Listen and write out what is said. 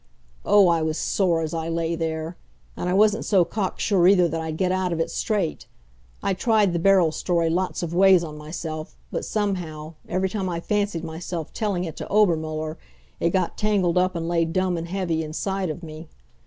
Oh, I was sore as I lay there! And I wasn't so cock sure either that I'd get out of it straight. I tried the Beryl story lots of ways on myself, but somehow, every time I fancied myself telling it to Obermuller, it got tangled up and lay dumb and heavy inside of me.